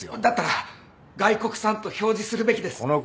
だったら外国産と表示するべきです。